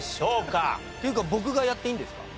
っていうか僕がやっていいんですか？